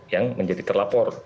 yang menjadi terlapor